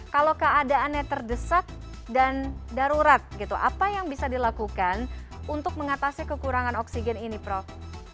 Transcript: kalau keadaannya terdesak dan darurat gitu apa yang bisa dilakukan untuk mengatasi kekurangan oksigen ini prof